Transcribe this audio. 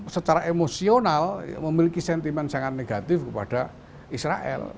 secara emosional memiliki sentimen sangat negatif kepada israel